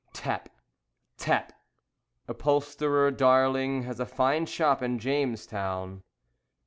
Tap! Tap! Upholsterer Darling has a fine shop in Jamestown.